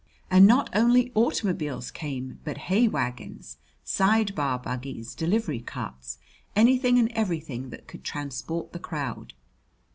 And not only automobiles came, but hay wagons, side bar buggies, delivery carts anything and everything that could transport the crowd.